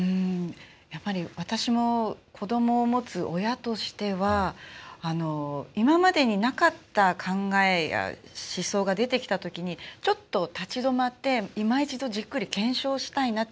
私も子どもを持つ親としては今までになかった考えや思想が出てきたときにちょっと立ち止まっていま一度じっくり検証したいなと。